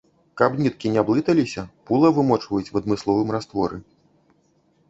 Каб ніткі не блыталіся пула вымочваюць у адмысловым растворы.